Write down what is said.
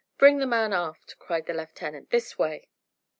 "Bring the man aft," cried the lieutenant. "This way."